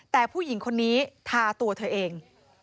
แต่ผู้หญิงคนนี้ทาตัวเธอเอง